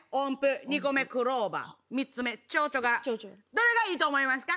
どれがいいと思いますか？